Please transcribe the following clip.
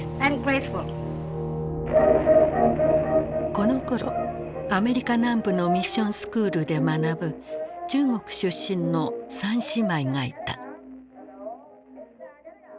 このころアメリカ南部のミッションスクールで学ぶ中国出身の三姉妹がいた。